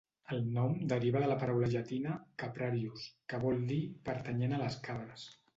El nom deriva de la paraula llatina "caprarius", que vol dir "pertanyent a les cabres".